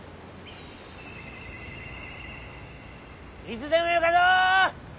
いつでもよかぞ！